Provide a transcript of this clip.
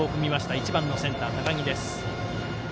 １番のセンター、高木です。